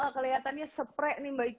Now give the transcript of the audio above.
keliatan nya seprek nih mba ika